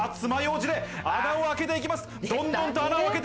爪楊枝で穴を開けていきます。